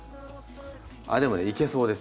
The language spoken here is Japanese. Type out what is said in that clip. でもねいけそうです。